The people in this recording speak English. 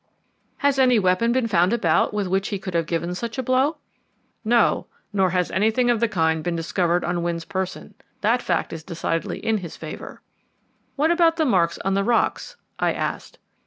"Has any weapon been found about, with which he could have given such a blow?" "No; nor has anything of the kind been discovered on Wynne's person; that fact is decidedly in his favour." "But what about the marks on the rocks?" I asked.